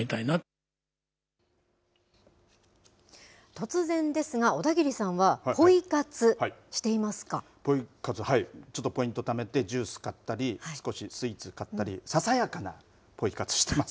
突然ですが、小田切さんは、ポイ活、はい、ちょっとポイントためてジュース買ったり、少しスイーツ買ったり、ささやかなポイ活してます。